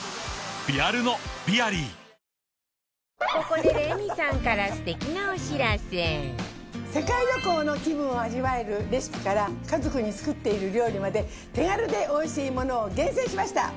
ここで世界旅行の気分を味わえるレシピから家族に作っている料理まで手軽でおいしいものを厳選しました。